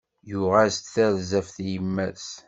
Yuɣ-as-d tarzeft i yemma-s